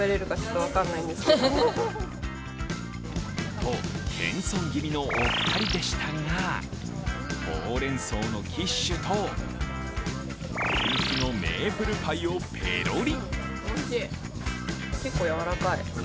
と、謙遜気味のお二人でしたがほうれんそうのキッシュと人気のメープルパイをぺろり。